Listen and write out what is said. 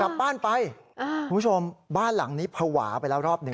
กลับบ้านไปคุณผู้ชมบ้านหลังนี้ภาวะไปแล้วรอบหนึ่ง